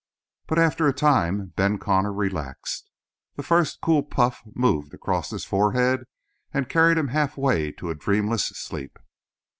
But after a time Ben Connor relaxed. The first cool puff moved across his forehead and carried him halfway to a dreamless sleep.